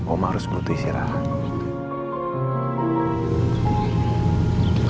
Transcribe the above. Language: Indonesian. oma harus butuh istirahat